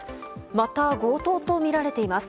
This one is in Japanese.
また強盗とみられています。